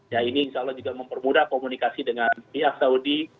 ya ini insya allah juga mempermudah komunikasi dengan pihak saudi